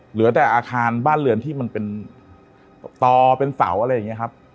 เหลือแต่อาคารบ้านเรือนที่มันเป็นต่อเป็นเสาอะไรอย่างนี้ครับ